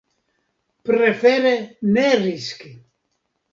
Prefere ne riski.